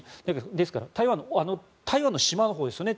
ですから台湾の島のほうですね。